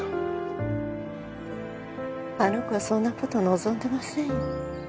あの子はそんな事望んでませんよ。